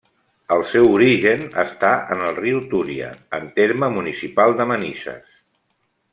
El seu origen està en el riu Túria, en terme municipal de Manises.